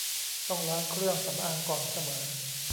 ต้องล้างเครื่องสำอางก่อนเสมอ